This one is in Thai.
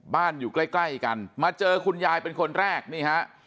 อยู่ใกล้ใกล้กันมาเจอคุณยายเป็นคนแรกนี่ฮะ